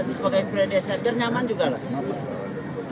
sebagai kepala desa biar nyaman juga lah